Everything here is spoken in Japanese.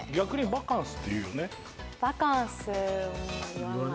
バカンス。